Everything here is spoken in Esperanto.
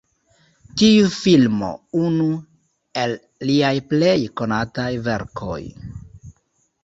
Tiu filmo unu el liaj plej konataj verkoj.